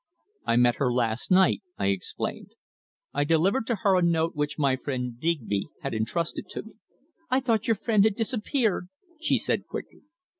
"I met her last night," I explained. "I delivered to her a note which my friend Digby had entrusted to me." "I thought your friend had disappeared?" she said quickly.